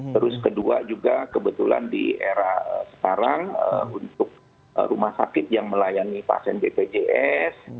terus kedua juga kebetulan di era sekarang untuk rumah sakit yang melayani pasien bpjs